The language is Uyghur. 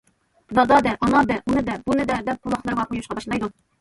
« دادا» دە،« ئانا» دە، ئۇنى دە، بۇنى دە دەپ قۇلاقلىرىغا قۇيۇشقا باشلايدۇ.